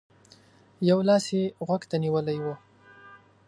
يو لاس يې غوږ ته نيولی و.